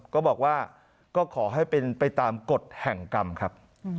ก็บอกว่าก็ขอให้เป็นไปตามกฎแห่งกรรมครับ